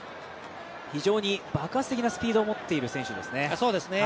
非常に爆発的なスピードを持っている選手ですね。